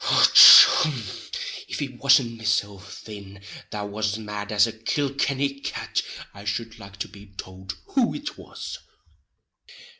Och, hon! if it wasn't mesilf thin that was mad as a Kilkenny cat I shud like to be tould who it was!